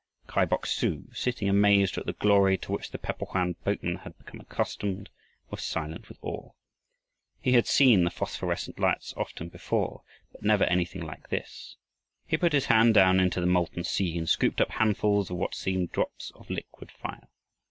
Kai Bok su, sitting amazed at the glory to which the Pe po hoan boatmen had become accustomed, was silent with awe. He had seen the phosphorescent lights often before, but never anything like this. He put his hand down into the molten sea and scooped up handfuls of what seemed drops of liquid fire.